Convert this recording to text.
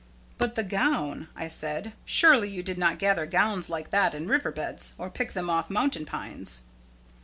"But the gown?" I said. "Surely, you do not gather gowns like that in river beds, or pick them off mountain pines?"